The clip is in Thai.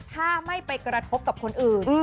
ถ้าไม่ไปกระทบกับคนอื่น